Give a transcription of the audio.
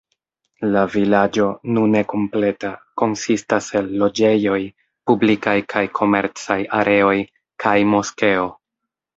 La vilaĝo, nune kompleta, konsistas el loĝejoj, publikaj kaj komercaj areoj, kaj moskeo.